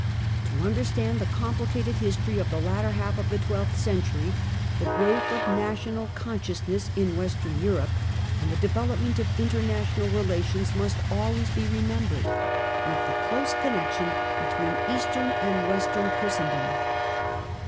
To understand the complicated history of the latter half of the twelfth century, the growth of national consciousness in Western Europe and the de velopment of international relations must always be remembered, with the close connexion between Eastern and Western Christendom.